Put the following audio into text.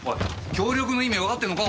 協力の意味わかってんのか？